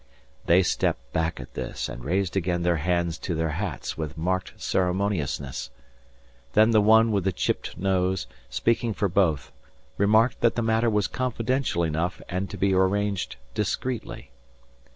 They stepped back at this and raised again their hands to their hats with marked ceremoniousness. Then the one with the chipped nose, speaking for both, remarked that the matter was confidential enough and to be arranged discreetly.